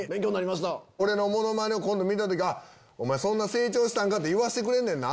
俺のものまねを今度見た時そんな成長したんか！って言わせてくれんねんな？